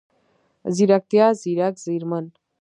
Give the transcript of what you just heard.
ځيرکتيا، ځیرک، ځیرمن،